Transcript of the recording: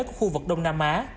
của khu vực đông nam á